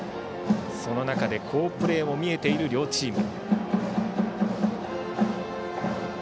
その中で好プレーも見える両チーム。